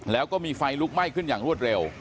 แล้วก็มีไฟลุกไหม้ขึ้นอย่างรวดเร็ว